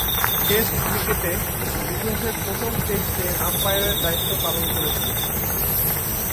Test ক্রিকেটের ইতিহাসের প্রথম টেস্টে আম্পায়ারের দায়িত্ব পালন করেছিলেন।